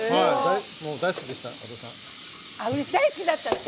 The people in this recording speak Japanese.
大好きでした、和田さん。